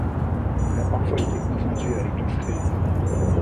Il a parfois été confondu avec la freisa.